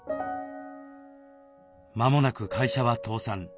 まもなく会社は倒産。